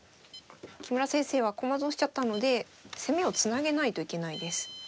木村先生は駒損しちゃったので攻めをつなげないといけないです。